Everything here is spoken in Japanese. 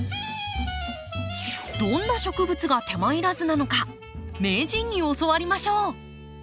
どんな植物が手間いらずなのか名人に教わりましょう。